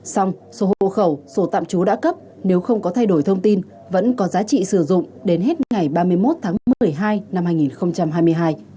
xong số hộ khẩu số tạm trú đã cấp nếu không có thay đổi thông tin vẫn có giá trị sử dụng đến hết ngày ba mươi một tháng một mươi hai năm hai nghìn hai mươi hai